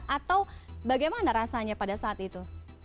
atau bagaimana rasanya pada saat itu